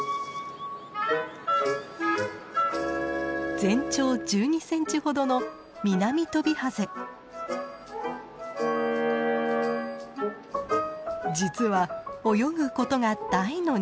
全長１２センチほどの実は泳ぐことが大の苦手。